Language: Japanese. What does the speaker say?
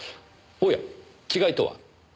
おや違いとは？